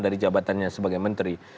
dari jabatannya sebagai menteri